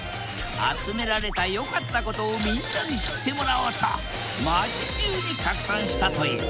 集められた良かったことをみんなに知ってもらおうと街じゅうに拡散したという。